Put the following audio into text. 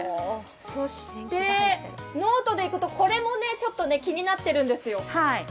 そしてノートでいくと、これもちょっと気になっているんですよ。